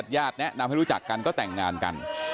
ญาติแนะนำให้รู้จักกันก็แต่งงานกัน